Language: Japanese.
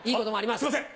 すいません！